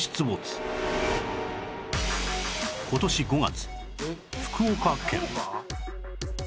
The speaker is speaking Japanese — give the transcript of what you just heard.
今年５月福岡県